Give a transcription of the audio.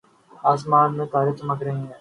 آسمان میں تارے چمک رہے ہیں